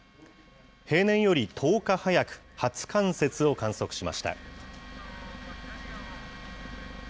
平年より１０日早く初冠雪を観測しました。